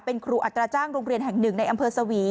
เป็นครูอัตราจ้างโรงเรียนแห่งหนึ่งในอำเภอสวี